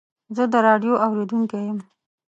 زه د راډیو اورېدونکی یم.